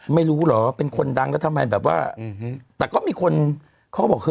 ไม่รู้เหรอว่าเป็นคนดังแล้วทำไมแต่ก็มีคนเขาบอก